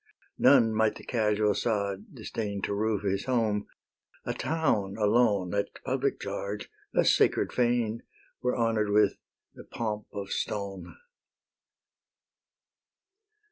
None might the casual sod disdain To roof his home; a town alone, At public charge, a sacred fane Were honour'd with the pomp of stone.